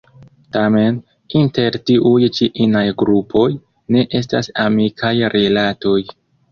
Tamen, inter tiuj ĉi inaj grupoj, ne estas amikaj rilatoj.